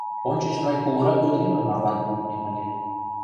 — Ончыч мый кугурак ӱдыремым марлан пуынем ыле.